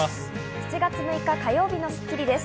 ７月６日、火曜日の『スッキリ』です。